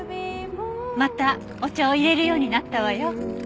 またお茶を淹れるようになったわよ。